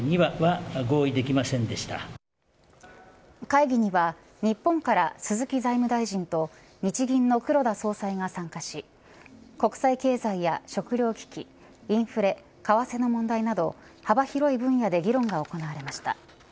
会議には日本から鈴木財務大臣と日銀の黒田総裁が参加し国際経済や食糧危機インフレ、為替の問題など幅広い分野で議論が行われました。